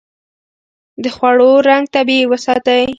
د خوړو رنګ طبيعي وساتئ.